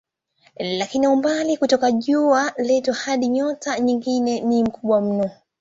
Lakini umbali kutoka jua letu hadi nyota nyingine ni mkubwa mno.